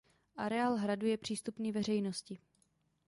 Areál hradu je přístupný veřejnosti.